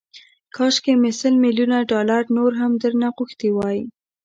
کاشکي مې سل ميليونه ډالر نور هم درنه غوښتي وای